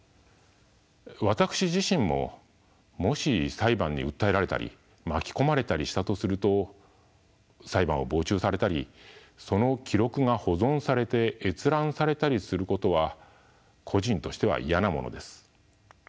私自身ももし裁判に訴えられたり巻き込まれたりしたとすると裁判を傍聴されたりその記録が保存されて閲覧されたりすることは個人としては嫌なものです。